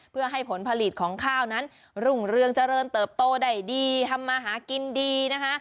เพื่อให้ผลผลิตของข้าวนั้นรุ่งเรืองเจริญเติบโตได้ดีทำมาหากินดีนะคะ